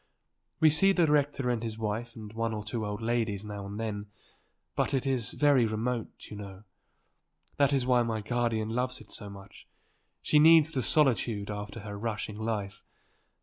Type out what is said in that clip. "We see the rector and his wife and one or two old ladies now and then. But it is very remote, you know. That is why my guardian loves it so much. She needs the solitude after her rushing life.